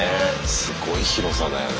すごい広さだよね。